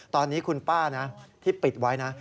ตอนนี้คุณป้านะที่ปิดไว้นะ